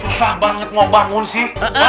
susah banget mau bangun sih